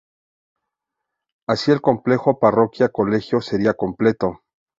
Así el complejo Parroquia-Colegio sería completo.